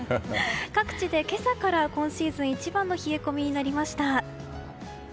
各地で今朝から今シーズン一番の冷え込みとなりました。